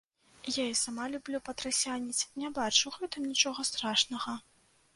Я і сама люблю патрасяніць, не бачу ў гэтым нічога страшнага.